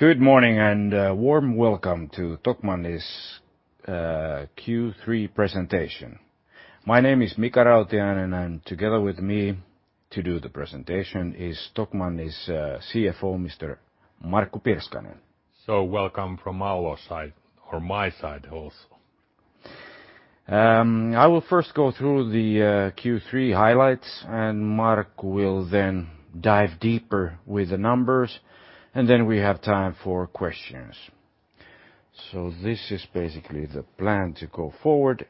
Good morning and a warm welcome to Tokmanni's Q3 presentation. My name is Mika Rautiainen, and together with me to do the presentation is Tokmanni's CFO, Mr. Markku Pirskanen. Welcome from our side or my side also. I will first go through the Q3 highlights. Markku will then dive deeper with the numbers. Then we have time for questions. This is basically the plan to go forward.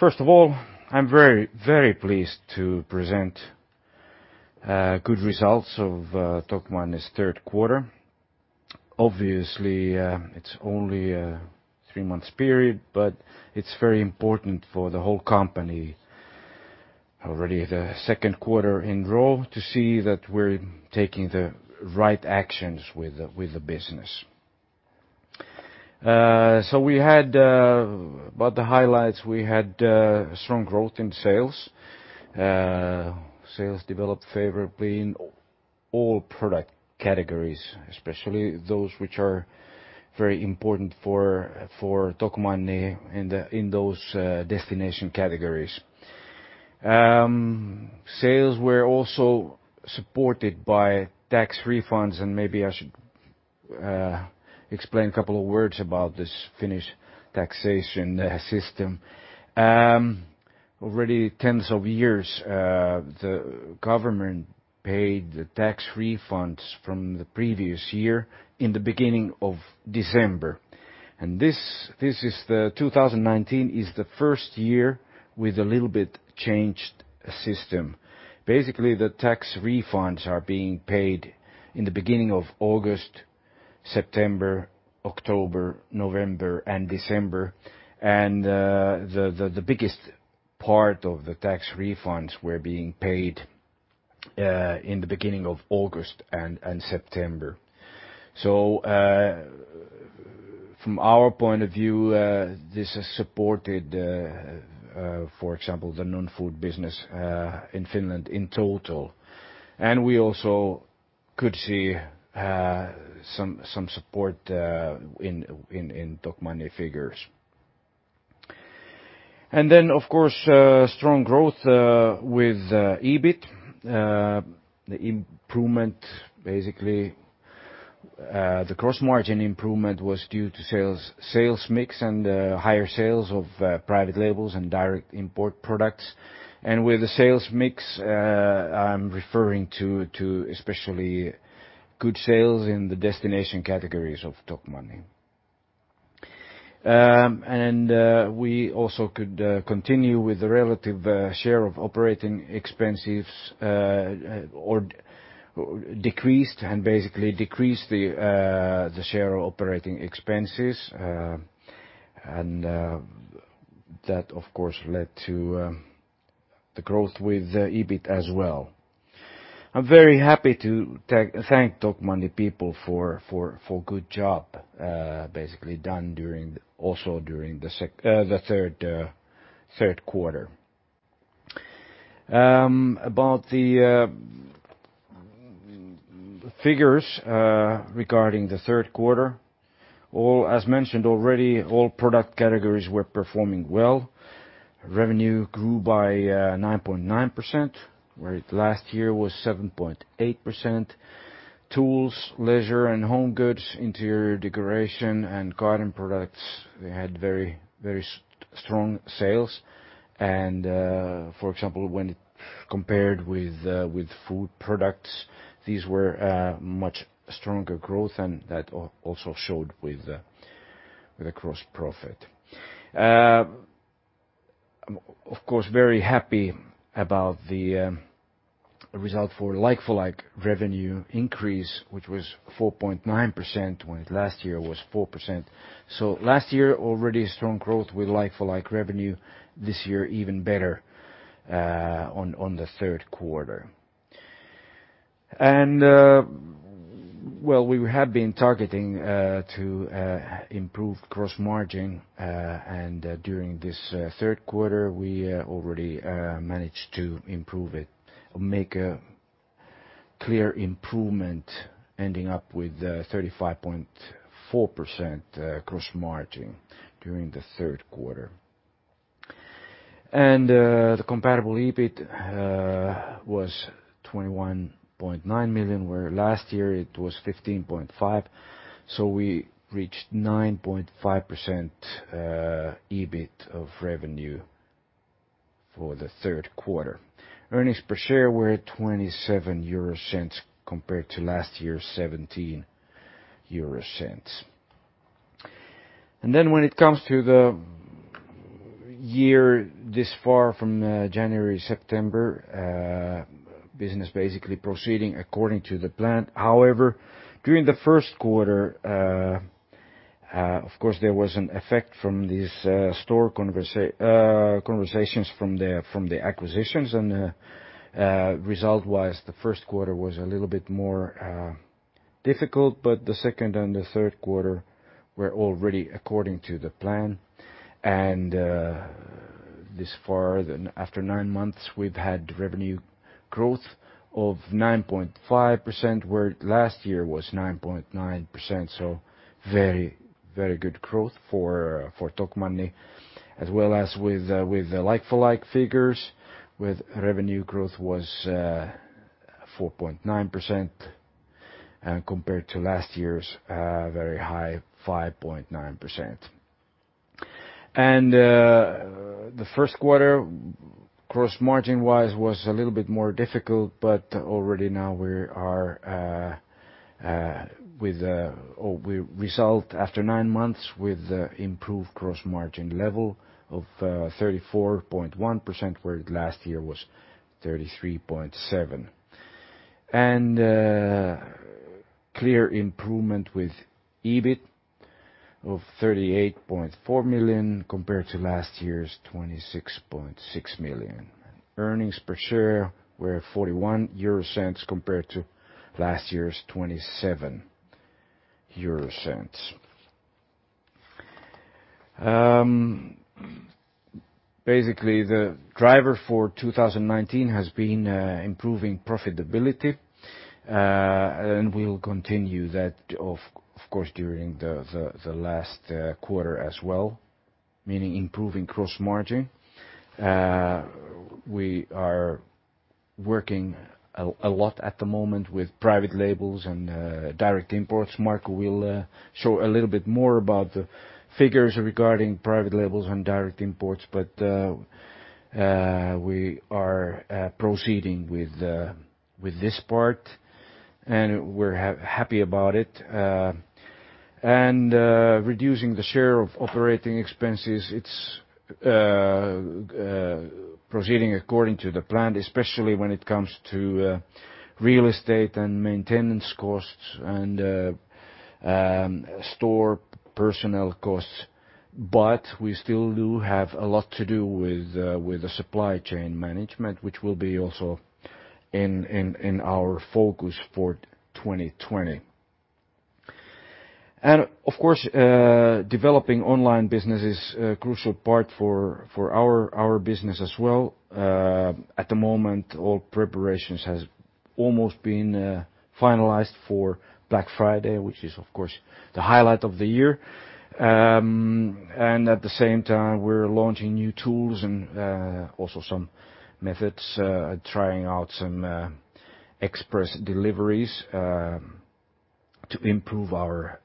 First of all, I'm very pleased to present good results of Tokmanni Group's third quarter. Obviously, it's only a 3-month period, but it's very important for the whole company, already the second quarter in a row to see that we're taking the right actions with the business. About the highlights, we had strong growth in sales. Sales developed favorably in all product categories, especially those which are very important for Tokmanni in those destination categories. Sales were also supported by tax refunds. Maybe I should explain a couple of words about this Finnish taxation system. Already tens of years, the government paid the tax refunds from the previous year in the beginning of December. 2019 is the first year with a little bit changed system. The tax refunds are being paid in the beginning of August, September, October, November, and December. The biggest part of the tax refunds were being paid in the beginning of August and September. From our point of view this has supported for example, the non-food business in Finland in total. We also could see some support in Tokmanni figures. Of course, strong growth with EBIT. The gross margin improvement was due to sales mix and higher sales of private labels and direct import products. With the sales mix, I'm referring to especially good sales in the destination categories of Tokmanni. We also could continue with the relative share of operating expenses, basically decreased the share of operating expenses. That, of course, led to the growth with the EBIT as well. I'm very happy to thank Tokmanni people for good job basically done also during the third quarter. About the figures regarding the third quarter. As mentioned already, all product categories were performing well. Revenue grew by 9.9%, where last year was 7.8%. Tools, leisure and home goods, interior decoration and garden products, they had very strong sales. For example, when compared with food products, these were much stronger growth and that also showed with the gross profit. Of course, very happy about the result for like-for-like revenue increase, which was 4.9% when it last year was 4%. Last year, already strong growth with like-for-like revenue. This year even better on the third quarter. We have been targeting to improve gross margin. During this third quarter, we already managed to improve it or make a clear improvement ending up with 35.4% gross margin during the third quarter. The comparable EBIT was 21.9 million, where last year it was 15.5. We reached 9.5% EBIT of revenue for the third quarter. Earnings per share were 0.27 compared to last year's 0.17. When it comes to the year this far from January to September, business basically proceeding according to the plan. However, during the first quarter, of course, there was an effect from these store conversations from the acquisitions and result-wise, the first quarter was a little bit more difficult, but the second and the third quarter were already according to the plan. This far after nine months, we've had revenue growth of 9.5% where last year was 9.9%. Very good growth for Tokmanni as well as with the like-for-like figures with revenue growth was 4.9% and compared to last year's very high 5.9%. The first quarter gross margin was a little bit more difficult, but already now we result after nine months with improved gross margin level of 34.1% where last year was 33.7%. Clear improvement with EBIT of 38.4 million compared to last year's 26.6 million. Earnings per share were 0.41 compared to last year's 0.27. Basically, the driver for 2019 has been improving profitability, and we'll continue that of course, during the last quarter as well, meaning improving gross margin. We are working a lot at the moment with private labels and direct imports. Markku will show a little bit more about the figures regarding private labels and direct imports, but we are proceeding with this part and we're happy about it. Reducing the share of operating expenses it's proceeding according to the plan, especially when it comes to real estate and maintenance costs and store personnel costs. We still do have a lot to do with the supply chain management, which will be also in our focus for 2020. Of course, developing online business is a crucial part for our business as well. At the moment, all preparations has almost been finalized for Black Friday, which is of course the highlight of the year. At the same time, we're launching new tools and also some methods, trying out some express deliveries to improve our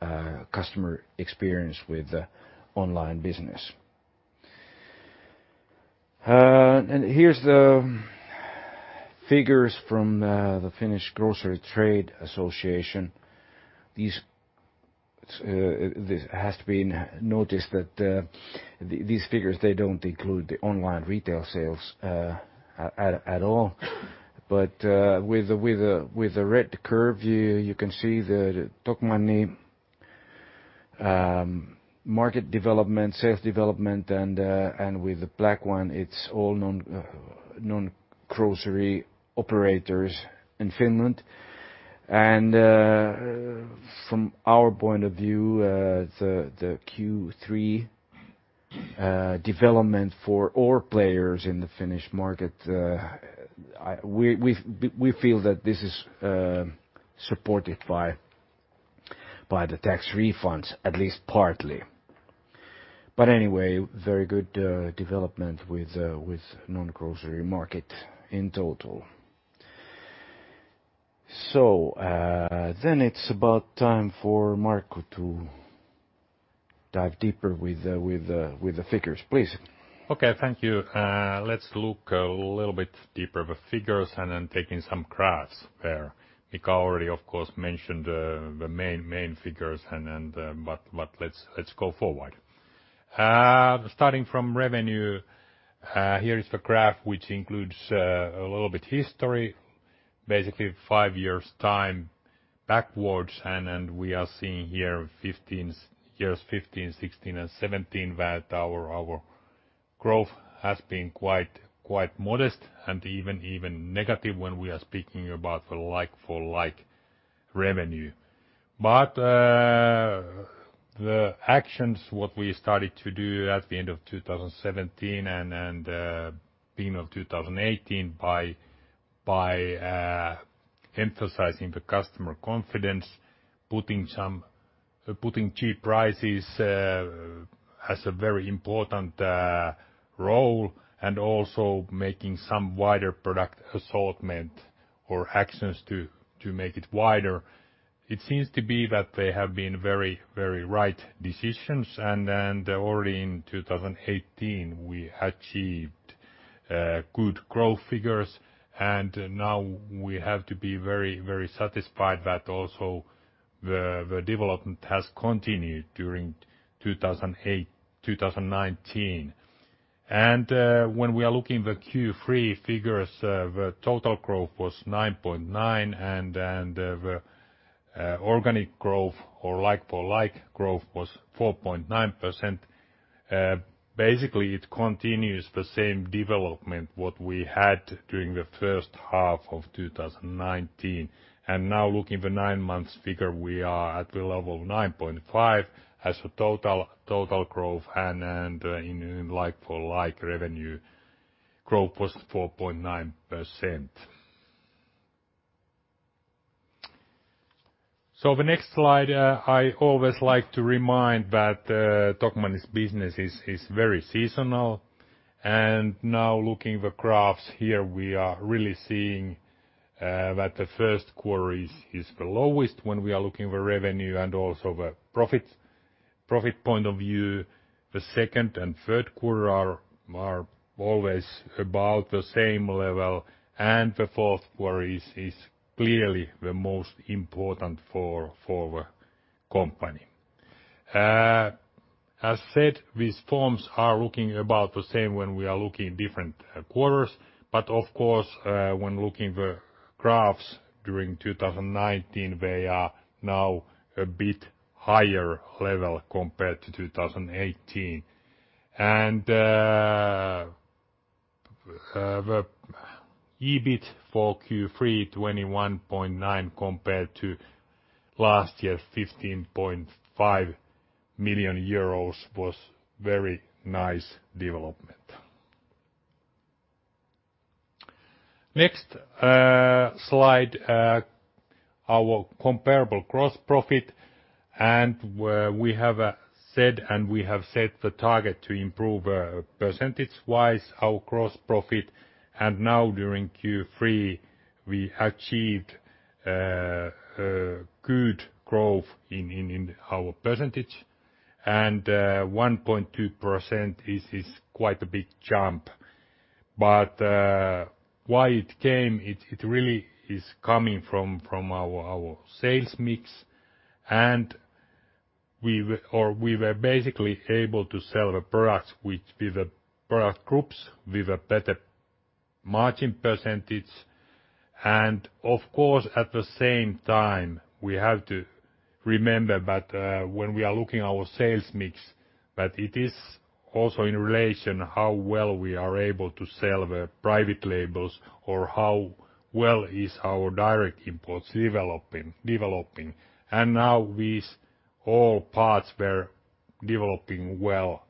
customer experience with the online business. Here's the figures from the Finnish Grocery Trade Association. It has to be noticed that these figures, they don't include the online retail sales at all. With the red curve, you can see the Tokmanni market development, sales development, and with the black one, it's all non-grocery operators in Finland. From our point of view, the Q3 development for all players in the Finnish market, we feel that this is supported by the tax refunds at least partly. Anyway, very good development with non-grocery market in total. It's about time for Markku to dive deeper with the figures. Please. Okay. Thank you. Let's look a little bit deeper the figures and then taking some graphs there. Mika already of course mentioned the main figures. Let's go forward. Starting from revenue, here is the graph, which includes a little bit history, basically 5 years time backwards. We are seeing here years 2015, 2016 and 2017 where our growth has been quite modest and even negative when we are speaking about the like-for-like revenue. The actions, what we started to do at the end of 2017 and beginning of 2018 by emphasizing the customer confidence, putting cheap prices has a very important role and also making some wider product assortment or actions to make it wider. It seems to be that they have been very right decisions. Already in 2018, we achieved good growth figures, we have to be very satisfied that also the development has continued during 2019. When we are looking the Q3 figures the total growth was 9.9% and the organic growth or like-for-like growth was 4.9%. Basically, it continues the same development what we had during the first half of 2019. Now looking the nine months figure, we are at the level of 9.5% as a total growth and in like-for-like revenue growth was 4.9%. The next slide, I always like to remind that Tokmanni's business is very seasonal. Now looking the graphs here, we are really seeing that the first quarter is the lowest when we are looking the revenue and also the profit point of view. The second and third quarter are always about the same level. The fourth quarter is clearly the most important for the company. As said, these forms are looking about the same when we are looking different quarters. Of course, when looking the graphs during 2019, they are now a bit higher level compared to 2018. The EBIT for Q3, 21.9 compared to last year's 15.5 million euros, was very nice development. Next slide, our comparable gross profit. We have said and we have set the target to improve percentage-wise our gross profit. Now during Q3, we achieved good growth in our percentage. 1.2% is quite a big jump. Why it came, it really is coming from our sales mix, and we were basically able to sell the products with the product groups with a better margin percentage. Of course, at the same time, we have to remember that when we are looking our sales mix, that it is also in relation how well we are able to sell the private labels or how well is our direct imports developing. Now these all parts were developing well,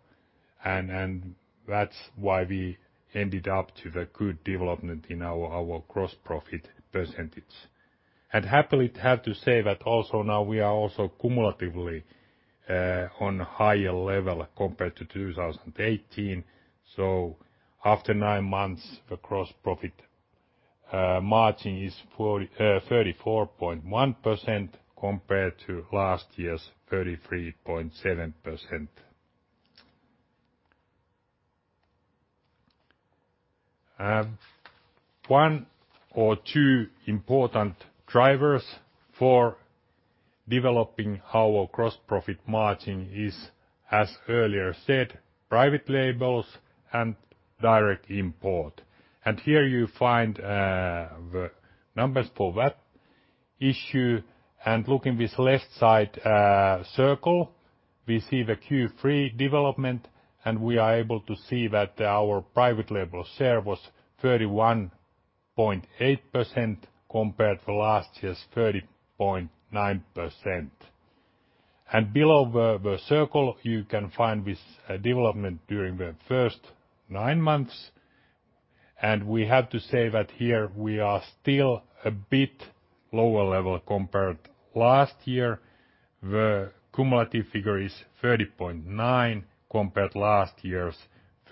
and that's why we ended up to the good development in our gross profit percentage. Happily have to say that also now we are also cumulatively on higher level compared to 2018. After nine months, the gross profit margin is 34.1% compared to last year's 33.7%. One or two important drivers for developing our gross profit margin is, as earlier said, private labels and direct import. Here you find the numbers for that issue. Looking this left side circle, we see the Q3 development, and we are able to see that our private label share was 31.8% compared to last year's 30.9%. Below the circle, you can find this development during the first nine months. We have to say that here we are still a bit lower level compared last year. The cumulative figure is 30.9 compared to last year's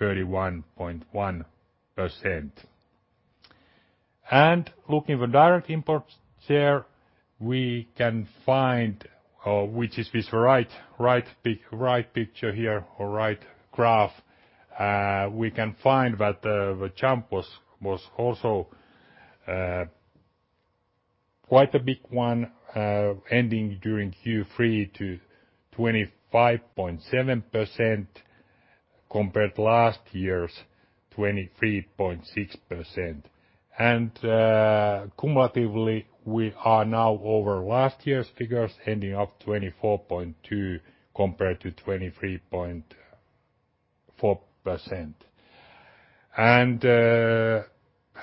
31.1%. Looking the direct import share, we can find which is this right picture here or right graph. We can find that the jump was also quite a big one, ending during Q3 to 25.7% compared to last year's 23.6%. Cumulatively, we are now over last year's figures ending up 24.2 compared to 23.4%.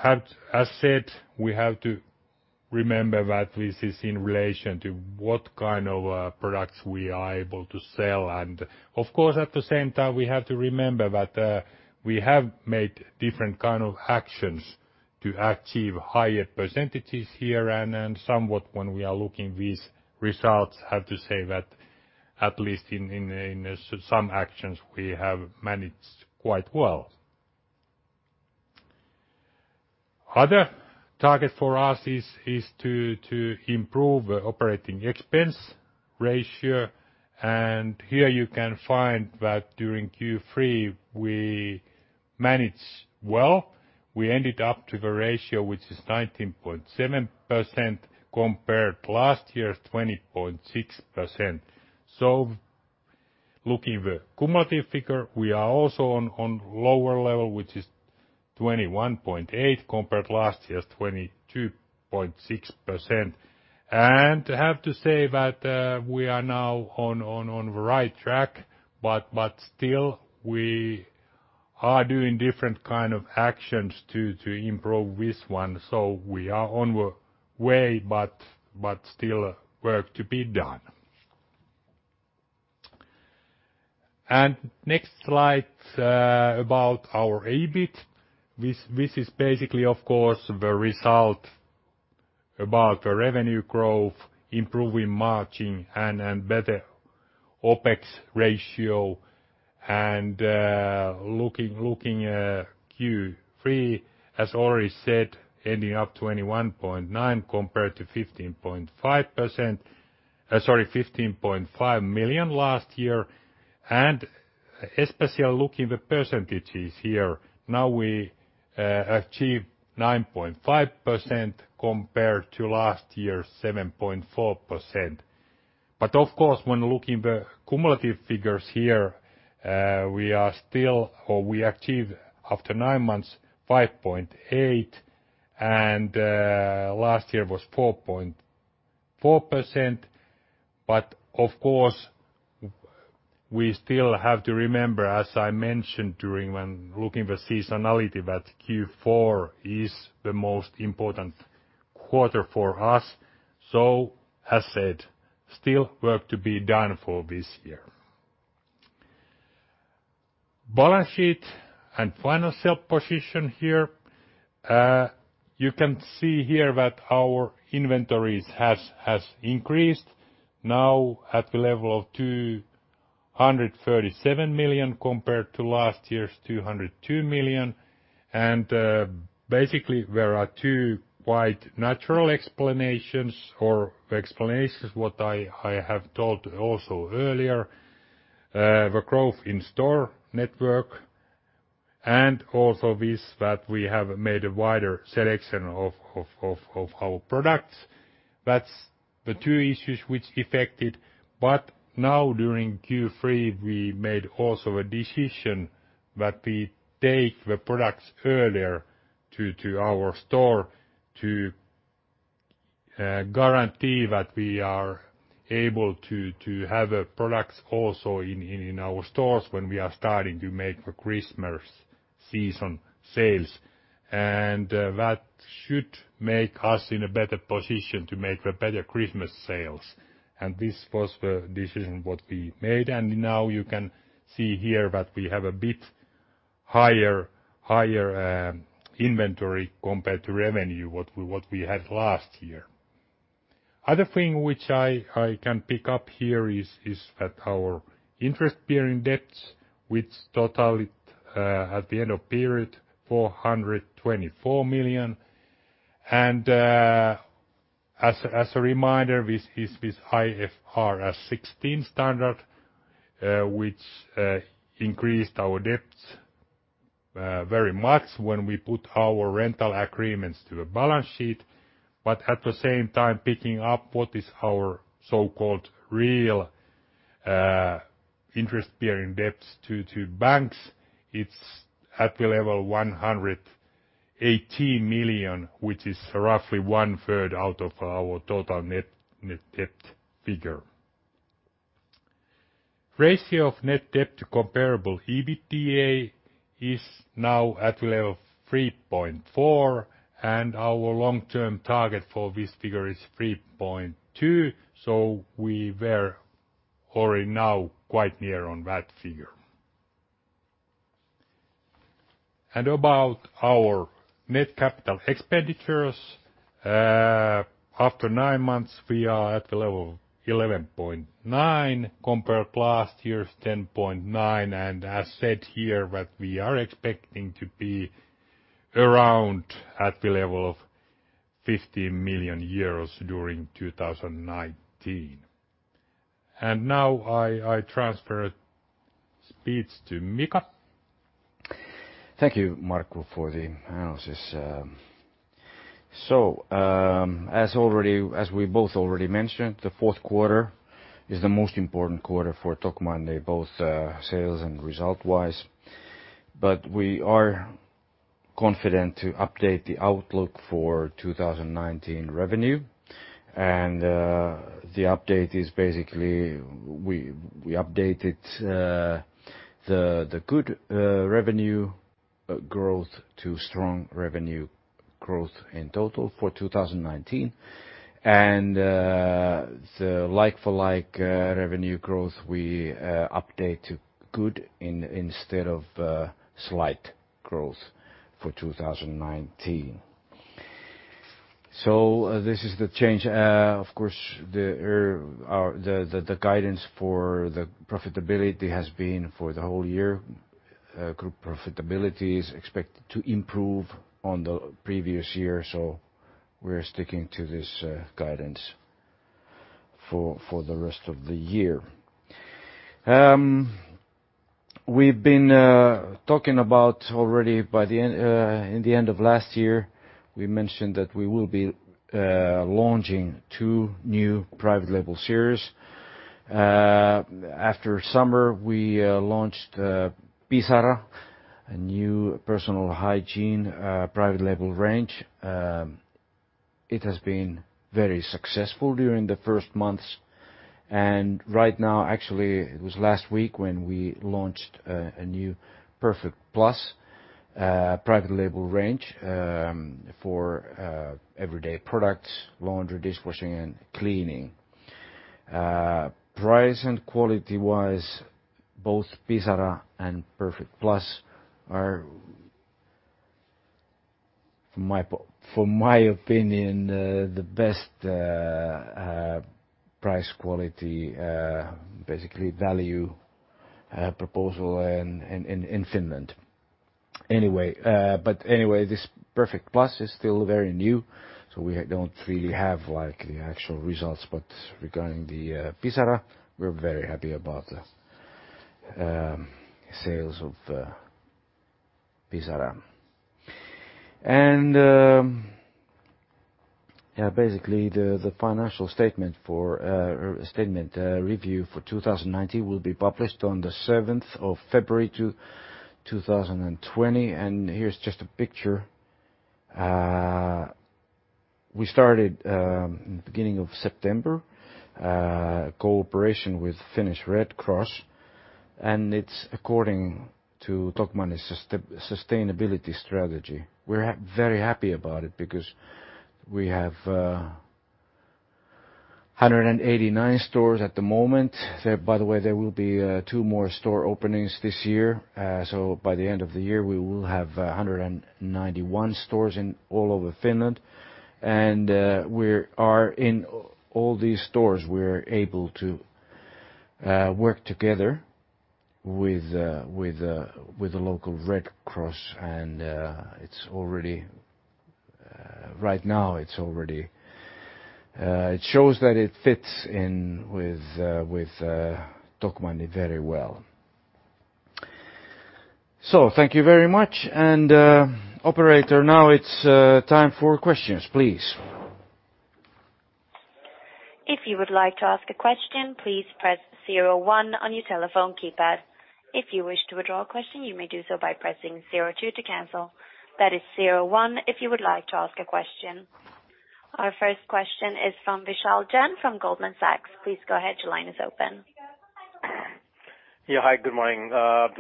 As said, we have to remember that this is in relation to what kind of products we are able to sell. Of course, at the same time, we have to remember that we have made different kind of actions to achieve higher percentages here. Somewhat when we are looking these results, I have to say that at least in some actions, we have managed quite well. Other target for us is to improve operating expense ratio. Here you can find that during Q3, we managed well. We ended up to the ratio, which is 19.7% compared to last year's 20.6%. Looking the cumulative figure, we are also on lower level, which is 21.8% compared to last year's 22.6%. I have to say that we are now on the right track, but still we are doing different kind of actions to improve this one. We are on the way, but still work to be done. Next slide about our EBIT. This is basically, of course, the result about the revenue growth, improving margin, and better OpEx ratio. Looking at Q3, as already said, ending up 21.9 million compared to 15.5 million last year. Especially looking the percentages here, now we achieved 9.5% compared to last year's 7.4%. Of course, when looking the cumulative figures here, we achieved after nine months 5.8%, and last year was 4.4%. Of course, we still have to remember, as I mentioned during when looking the seasonality, that Q4 is the most important quarter for us. As said, still work to be done for this year. Balance sheet and financial position here. You can see here that our inventories has increased, now at the level of 237 million compared to last year's 202 million. Basically, there are two quite natural explanations or the explanations what I have told also earlier, the growth in store network and also this, that we have made a wider selection of our products. That's the two issues which affected. Now during Q3, we made also a decision that we take the products earlier to our store to guarantee that we are able to have products also in our stores when we are starting to make the Christmas season sales. That should make us in a better position to make the better Christmas sales. This was the decision what we made. Now you can see here that we have a bit higher inventory compared to revenue, what we had last year. Other thing which I can pick up here is that our interest-bearing debts, which total at the end of period, 424 million. As a reminder, this IFRS 16 standard, which increased our debts very much when we put our rental agreements to a balance sheet. At the same time, picking up what is our so-called real interest-bearing debts to banks, it's at the level 118 million, which is roughly one-third out of our total net debt figure. Ratio of net debt to comparable EBITDA is now at level 3.4, and our long-term target for this figure is 3.2. We were already now quite near on that figure. About our net CapEx. After nine months, we are at the level of 11.9 compared to last year's 10.9, and as said here, that we are expecting to be around at the level of 50 million euros during 2019. Now I transfer speech to Mika. Thank you, Markku, for the analysis. As we both already mentioned, the fourth quarter is the most important quarter for Tokmanni, both sales and result-wise. We are confident to update the outlook for 2019 revenue, and the update is basically we updated the good revenue growth to strong revenue growth in total for 2019. The like-for-like revenue growth we update to good instead of slight growth for 2019. This is the change. Of course, the guidance for the profitability has been for the whole year. Group profitability is expected to improve on the previous year, so we're sticking to this guidance for the rest of the year. We've been talking about already in the end of last year, we mentioned that we will be launching two new private label series. After summer, we launched Pisara, a new personal hygiene private label range. It has been very successful during the first months. Right now, actually, it was last week when we launched a new Perfekt+ Private label range for everyday products, laundry, dishwashing, and cleaning. Price and quality-wise, both Pisara and Perfekt+ are, from my opinion, the best price quality, basically value proposal in Finland. Anyway, this Perfekt+ is still very new, so we don't really have the actual results. Regarding the Pisara, we're very happy about the sales of Pisara. Basically the financial statement review for 2019 will be published on the 7th of February 2020, and here's just a picture. We started, beginning of September, cooperation with Finnish Red Cross, and it's according to Tokmanni's sustainability strategy. We're very happy about it because we have 189 stores at the moment. By the way, there will be two more store openings this year. By the end of the year, we will have 191 stores in all over Finland. In all these stores, we're able to work together with the local Red Cross and right now it shows that it fits in with Tokmanni very well. Thank you very much. Operator, now it's time for questions, please. If you would like to ask a question, please press 01 on your telephone keypad. If you wish to withdraw a question, you may do so by pressing 02 to cancel. That is 01 if you would like to ask a question. Our first question is from Tushar Jain from Goldman Sachs. Please go ahead. Your line is open. Yeah. Hi, good morning.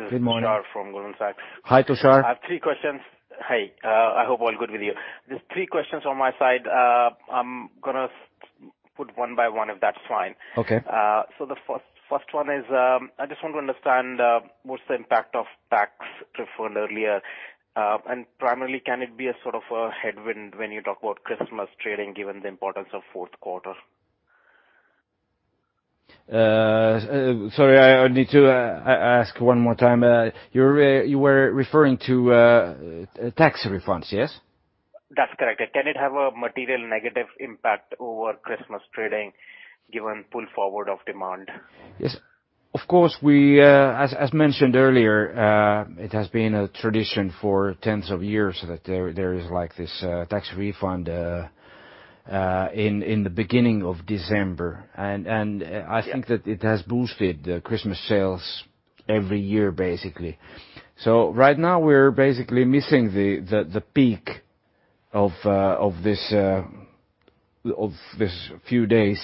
Good morning. This is Tushar from Goldman Sachs. Hi, Tushar. I have three questions. Hey, I hope all good with you. There's three questions on my side. I'm going to put one by one, if that's fine. Okay. The first one is, I just want to understand what's the impact of tax refund earlier, and primarily, can it be a sort of a headwind when you talk about Christmas trading given the importance of fourth quarter? Sorry, I need to ask one more time. You were referring to tax refunds, yes? That's correct. Can it have a material negative impact over Christmas trading given pull forward of demand? Yes. Of course, as mentioned earlier, it has been a tradition for tens of years that there is this tax refund in the beginning of December. I think that it has boosted the Christmas sales every year basically. Right now we're basically missing the peak of this few days.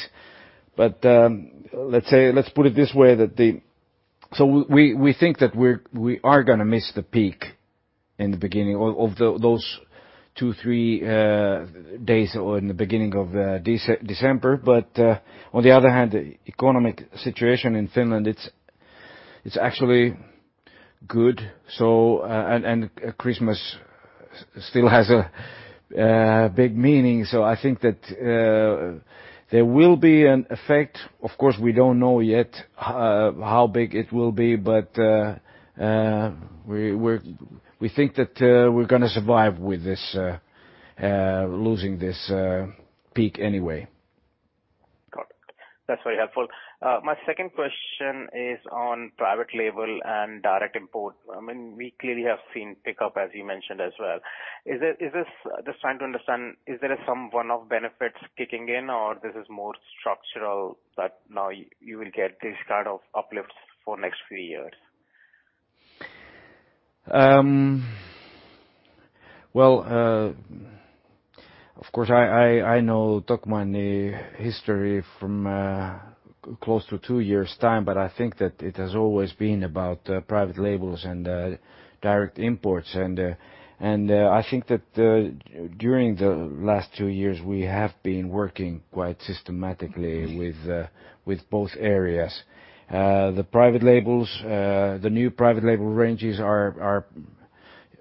Let's put it this way, we think that we are going to miss the peak in the beginning of those two, three days or in the beginning of December. On the other hand, the economic situation in Finland it's actually good. Christmas still has a big meaning, I think that there will be an effect. Of course, we don't know yet how big it will be. We think that we're going to survive with losing this peak anyway. Got it. That's very helpful. My second question is on private label and direct import. We clearly have seen pickup, as you mentioned as well. Just trying to understand, is there some one-off benefits kicking in or this is more structural that now you will get this kind of uplifts for next few years? Well, of course, I know Tokmanni history from close to two years' time, but I think that it has always been about private labels and direct imports. I think that during the last two years, we have been working quite systematically with both areas. The new private label ranges are,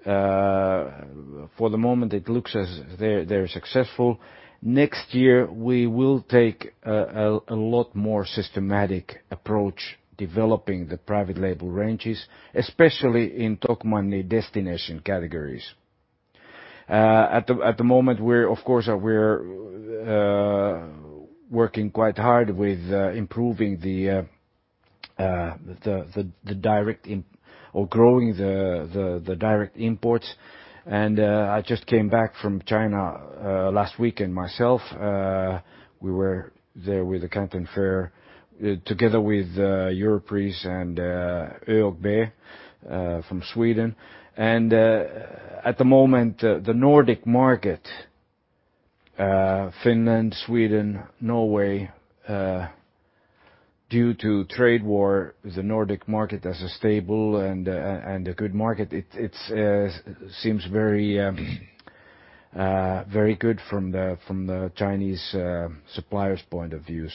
for the moment it looks as they're successful. Next year we will take a lot more systematic approach developing the private label ranges, especially in Tokmanni destination categories. At the moment, of course we're working quite hard with improving the direct in or growing the direct imports. I just came back from China last weekend myself. We were there with the Canton Fair together with Europris and ÖoB from Sweden. At the moment, the Nordic market, Finland, Sweden, Norway. Due to trade war, the Nordic market as a stable and a good market, it seems very good from the Chinese supplier's point of view.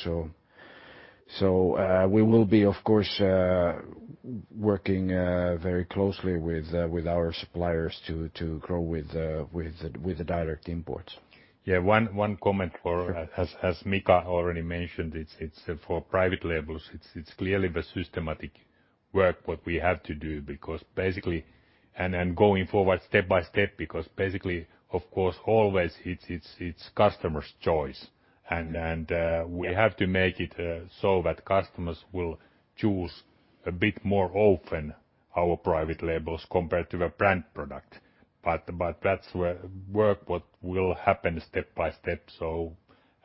We will be, of course, working very closely with our suppliers to grow with the direct imports. Yeah, one comment. Sure as Mika already mentioned, for private labels, it's clearly the systematic work what we have to do and then going forward step by step because basically, of course, always it's customer's choice. We have to make it so that customers will choose a bit more often our private labels compared to the brand product. That's work what will happen step by step.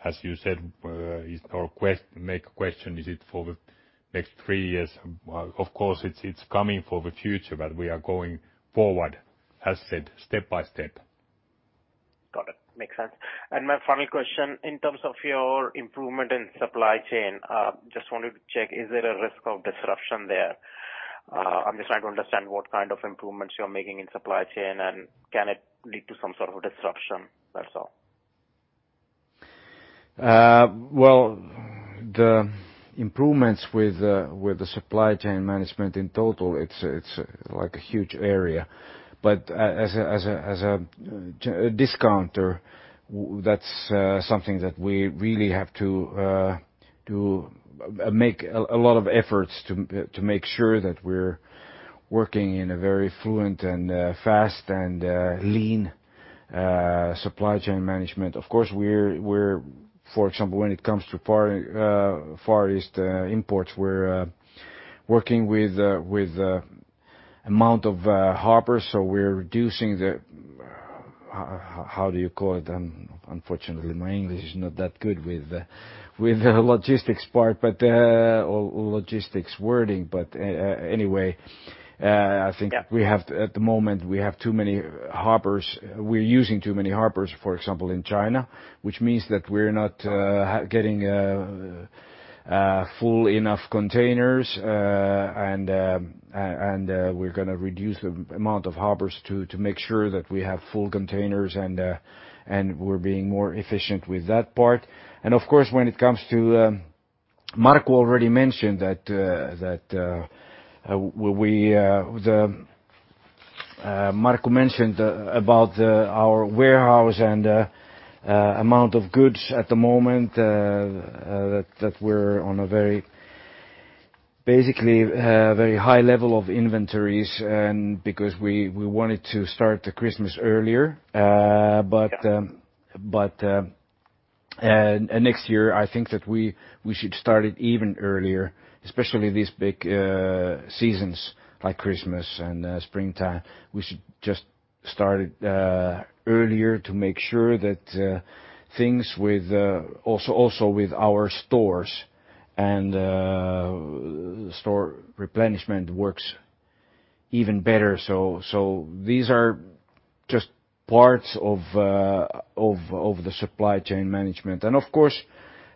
As you said or make a question, is it for the next three years? Of course, it's coming for the future, but we are going forward, as said, step by step. Got it. Makes sense. My final question, in terms of your improvement in supply chain, just wanted to check, is there a risk of disruption there? I'm just trying to understand what kind of improvements you're making in supply chain, and can it lead to some sort of disruption? That's all. Well, the improvements with the supply chain management in total, it's like a huge area. As a discounter, that's something that we really have to make a lot of efforts to make sure that we're working in a very fluent and fast and lean supply chain management. Of course, for example, when it comes to Far East imports, we're working with amount of harbors so we're reducing the How do you call it? Unfortunately, my English is not that good with the logistics part or logistics wording. Anyway, I think at the moment, we're using too many harbors, for example, in China, which means that we're not getting full enough containers, and we're going to reduce the amount of harbors to make sure that we have full containers and we're being more efficient with that part. Of course, Markku mentioned about our warehouse and amount of goods at the moment, that we're on basically very high level of inventories and because we wanted to start the Christmas earlier. Yeah. Next year, I think that we should start it even earlier, especially these big seasons like Christmas and springtime. We should just start it earlier to make sure that things also with our stores and store replenishment works even better. These are just parts of the supply chain management. Of course,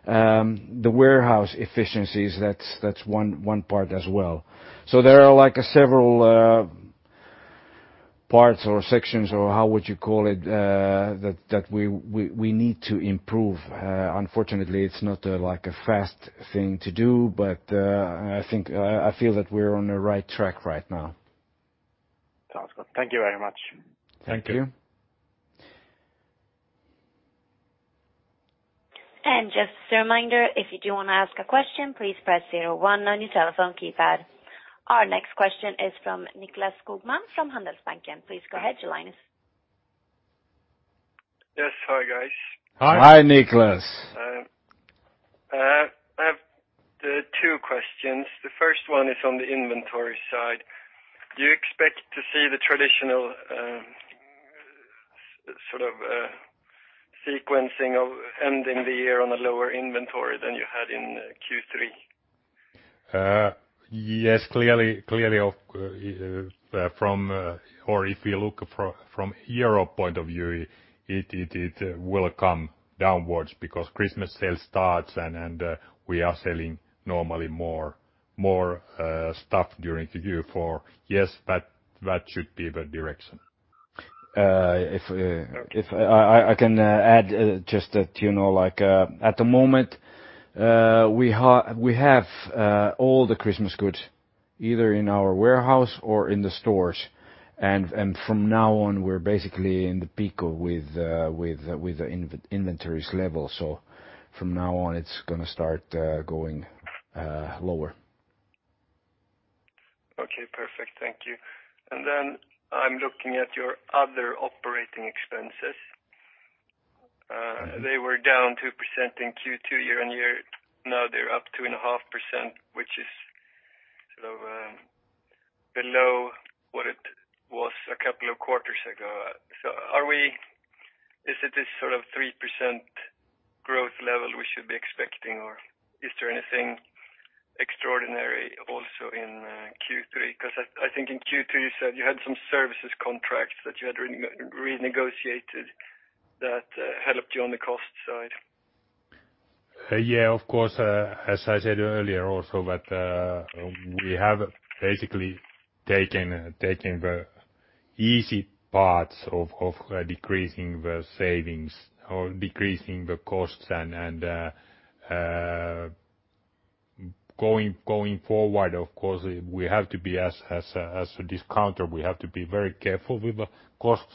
the warehouse efficiencies, that's one part as well. There are several parts or sections or how would you call it, that we need to improve. Unfortunately, it's not a fast thing to do, but I feel that we're on the right track right now. Sounds good. Thank you very much. Thank you. Thank you. Just as a reminder, if you do want to ask a question, please press zero one on your telephone keypad. Our next question is from Niklas Gudmunds from Handelsbanken. Please go ahead, your line is. Yes. Hi, guys. Hi. Hi, Niklas. I have two questions. The first one is on the inventory side. Do you expect to see the traditional sort of sequencing of ending the year on a lower inventory than you had in Q3? Yes, clearly. If you look from euro point of view, it will come downwards because Christmas sale starts and we are selling normally more stuff during Q4. Yes, that should be the direction. If I can add just that at the moment, we have all the Christmas goods either in our warehouse or in the stores. From now on, we're basically in the peak with the inventories level. From now on it's going to start going lower. Perfect. Thank you. I'm looking at your other operating expenses. They were down 2% in Q2 year-on-year. Now they're up 2.5%, which is sort of below what it was a couple of quarters ago. Is it this sort of 3% growth level we should be expecting or is there anything extraordinary also in Q3, because I think in Q3 you said you had some services contracts that you had renegotiated that helped you on the cost side. Yeah, of course, as I said earlier also that we have basically taken the easy parts of decreasing the savings or decreasing the costs and going forward, of course, we have to be as a discounter, we have to be very careful with the costs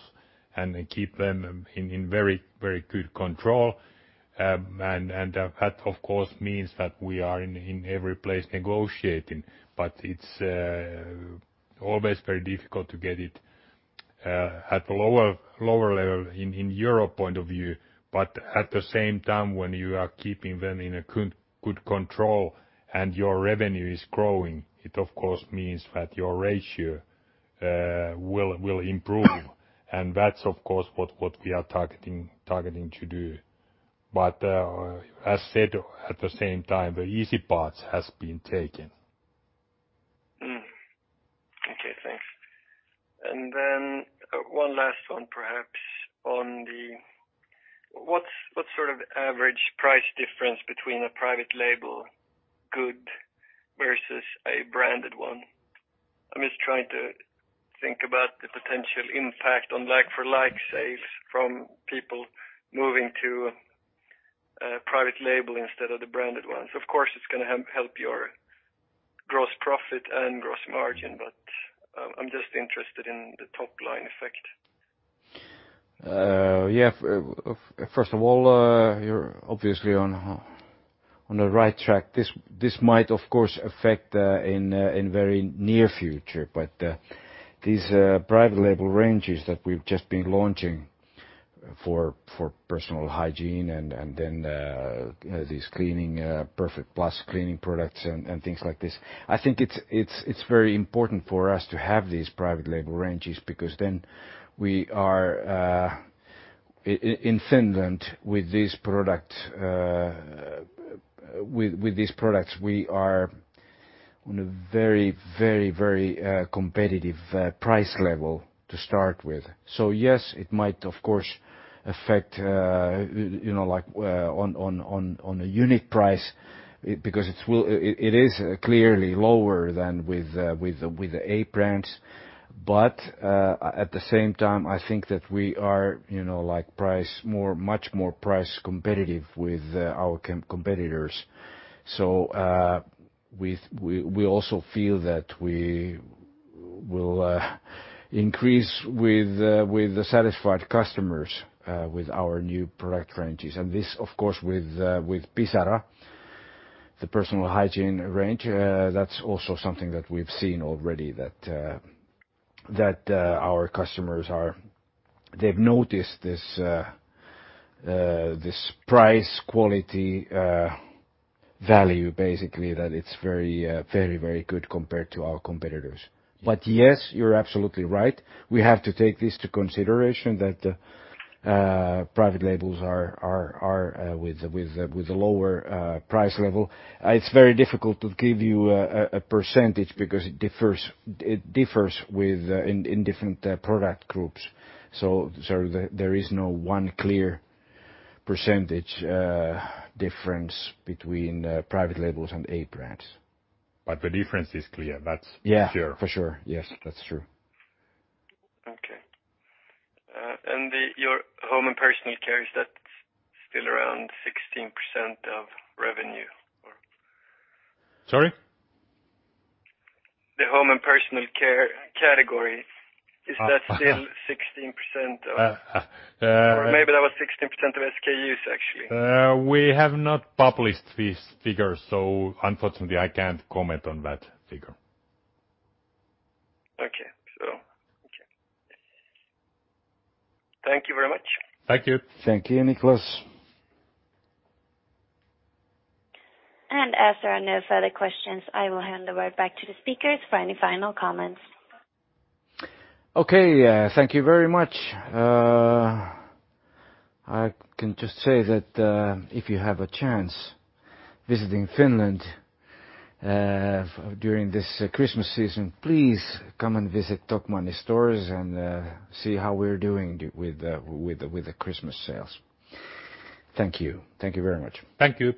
and keep them in very good control. That of course means that we are in every place negotiating, but it's always very difficult to get it at lower level in Euro point of view. At the same time, when you are keeping them in a good control and your revenue is growing, it of course means that your ratio will improve. That's of course what we are targeting to do. As said, at the same time, the easy part has been taken. Okay, thanks. One last one perhaps on the What sort of average price difference between a private label good versus a branded one? I'm just trying to think about the potential impact on like-for-like sales from people moving to private label instead of the branded ones. Of course, it's going to help your gross profit and gross margin, I'm just interested in the top-line effect. First of all, you're obviously on the right track. This might of course affect in very near future, these private label ranges that we've just been launching for personal hygiene and then these cleaning, Perfekt+ cleaning products and things like this. I think it's very important for us to have these private label ranges because we are in Finland with these products we are on a very competitive price level to start with. Yes, it might of course affect on a unit price because it is clearly lower than with the A brands. At the same time, I think that we are much more price competitive with our competitors. We also feel that we will increase with the satisfied customers with our new product ranges. This, of course, with Pisara, the personal hygiene range, that's also something that we've seen already that our customers are They've noticed this price quality value, basically, that it's very good compared to our competitors. Yes, you're absolutely right. We have to take this to consideration that private labels are with the lower price level. It's very difficult to give you a percentage because it differs in different product groups. There is no one clear percentage difference between private labels and A brands. The difference is clear, that's for sure. Yeah, for sure. Yes, that's true. Okay. Your home and personal care, is that still around 16% of revenue or? Sorry. The home and personal care category, is that still 16% of, or maybe that was 16% of SKUs actually. We have not published this figure, unfortunately, I can't comment on that figure. Okay. Okay. Thank you very much. Thank you. Thank you, Niklas. As there are no further questions, I will hand the word back to the speakers for any final comments. Okay. Thank you very much. I can just say that if you have a chance visiting Finland during this Christmas season, please come and visit Tokmanni stores and see how we're doing with the Christmas sales. Thank you. Thank you very much. Thank you.